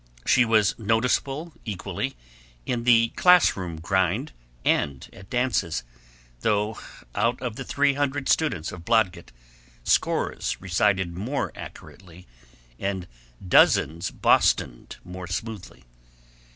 She was noticeable equally in the classroom grind and at dances, though out of the three hundred students of Blodgett, scores recited more accurately and dozens Bostoned more smoothly.